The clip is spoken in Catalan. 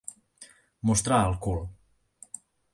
Mostrar el cul.